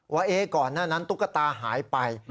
ว่าก่อนหน้านั้นตุ๊กตาหายไป